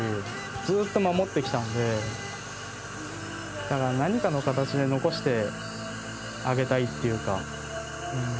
ずっと守ってきたんで、何かの形で残してあげたいっていうか。